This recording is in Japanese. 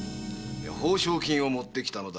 報償金を持ってきたのだ。